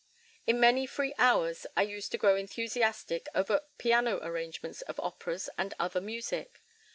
In many free hours I used to grow enthusiastic over piano arrangements of operas and other music.